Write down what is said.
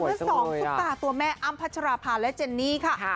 เมื่อสองซุปตาตัวแม่อ้ำพัชราภาและเจนนี่ค่ะ